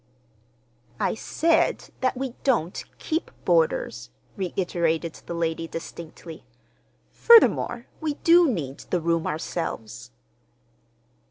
"I said that we didn't keep boarders," reiterated the lady distinctly. "Furthermore, we do need the room ourselves."